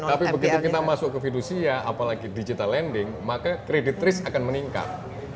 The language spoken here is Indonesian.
tapi begitu kita masuk ke fidusia apalagi digital lending maka kredit risk akan meningkat